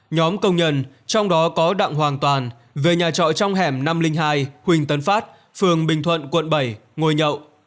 nhóm công nhân trong đó có đặng hoàng toàn về nhà trọ trong hẻm năm trăm linh hai huỳnh tấn phát phường bình thuận quận bảy ngồi nhậu